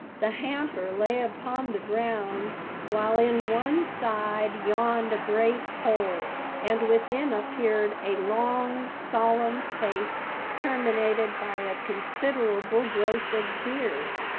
The hamper lay upon the ground, while in one side yawned a great hole. And within appeared a long, solemn face, terminated by a considerable growth of beard.